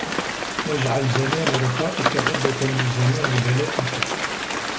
وَاجْعَلْ زَمَانَ رَخَائِك عُدَّةً لِزَمَانِ بَلَائِك